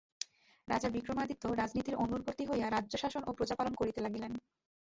রাজা বিক্রমাদিত্য রাজনীতির অনুবর্তী হইয়া রাজ্যশাসন ও প্রজাপালন করিতে লাগিলেন।